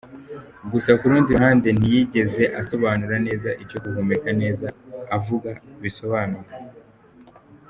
Gusa ku rundi ruhande ntiyigeze asobanura neza icyo guhumeka neza avuga bisobanuka.